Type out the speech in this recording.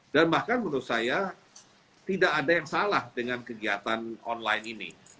dan bahkan menurut saya tidak ada yang salah dengan kegiatan online ini